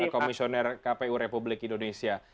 komisioner kpu republik indonesia